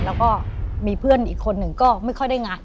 แล้วก็มีเพื่อนอีกคนหนึ่งก็ไม่ค่อยได้งาน